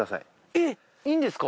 えっいいんですか？